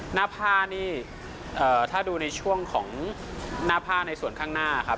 หน้าผ้านี่ถ้าดูในช่วงของหน้าผ้าในส่วนข้างหน้าครับ